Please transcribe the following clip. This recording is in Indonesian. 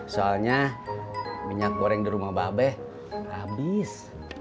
soalnya minyak goreng di rumah babe habis